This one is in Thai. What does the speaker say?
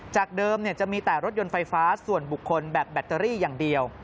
จากเดิมจะมีแต่รถยนต์ไฟฟ้าส่วนบุคคลแบบแบตเตอรี่อย่างเดียว